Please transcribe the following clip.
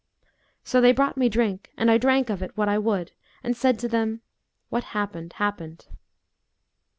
So they brought me drink, and I drank of it what I would and said to them, 'What happened, happened.'